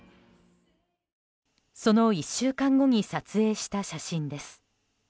その１週間後に撮影した写真です。